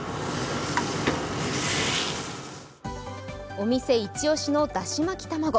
お店イチ押しのだし巻き卵。